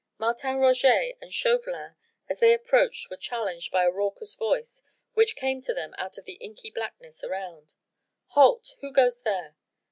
Martin Roget and Chauvelin as they approached were challenged by a raucous voice which came to them out of the inky blackness around. "Halt! who goes there?"